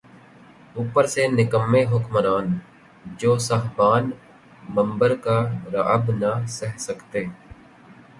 اوپر سے نکمّے حکمران‘ جو صاحبان منبر کا رعب نہ سہہ سکتے۔